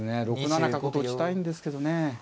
６七角と打ちたいんですけどね。